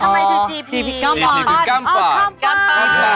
ทำไมจะจีปีก้าวปอนด์อ๋อก้าวปอนด์ก้าวปอนด์